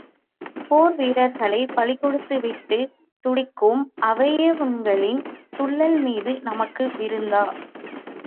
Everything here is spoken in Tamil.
போர் வீரர்களைப் பலிகொடுத்துவிட்டு, துடிக்கும் அவயவங்களின் துள்ளல் மீது நமக்கு விருந்தா?